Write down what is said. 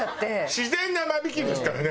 自然な間引きですからねあれは。